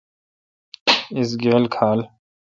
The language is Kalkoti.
اس گیل کھال۔